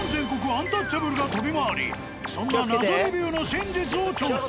アンタッチャブルが飛び回りそんな謎レビューの真実を調査。